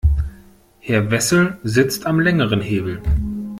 Herr Wessel sitzt am längeren Hebel.